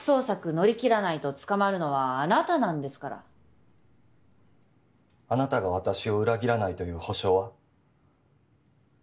乗り切らないと捕まるのはあなたなんですからあなたが私を裏切らないという保証は？